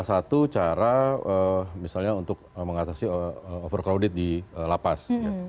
misalnya penjara untuk mengatasi overcrowded di lapas